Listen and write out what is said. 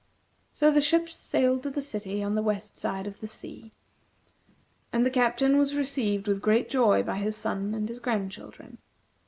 So the ships sailed to the city on the west side of the sea; and the Captain was received with great joy by his son, and his grandchildren.